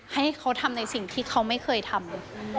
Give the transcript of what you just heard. ให้เขาทำในสิ่งที่เขาไม่เคยทำ